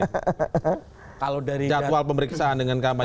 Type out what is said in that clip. jadwal pemeriksaan dengan kampanye